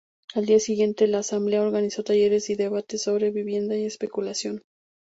Al día siguiente la Asamblea organizó talleres y debates sobre vivienda y especulación.